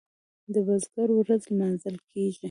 د بزګر ورځ لمانځل کیږي.